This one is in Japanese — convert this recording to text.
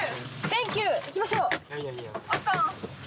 サンキュー行きましょう。